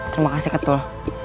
terima kasih ketul